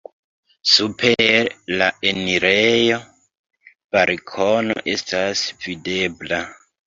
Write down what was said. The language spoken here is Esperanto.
Super la enirejo balkono estas videbla.